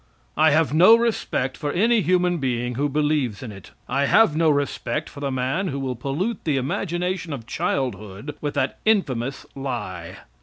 I have no respect for any human being who believes in it. I have no respect for the man who will pollute the imagination of childhood with that infamous lie.